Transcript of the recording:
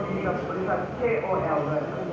สวัสดีครับ